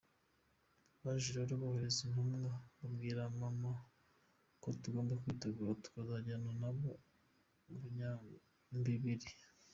Baje rero kohereza intumwa babwira maman ko tugomba kwitegura tukazajyana nabo i Bunyambiriri.